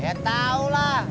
ya tau lah